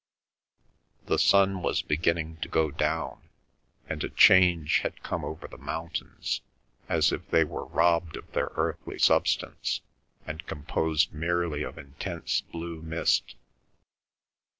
The sun was beginning to go down, and a change had come over the mountains, as if they were robbed of their earthly substance, and composed merely of intense blue mist.